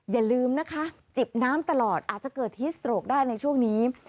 อย่าลืมนะคะจิบน้ำตลอดอาจจะเกิดฮิสโตรกได้ในช่วงนี้